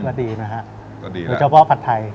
คิดว่าดีนะฮะก็ดีแล้วหรือเฉพาะผัดไทย